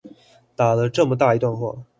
打了這麼大一段話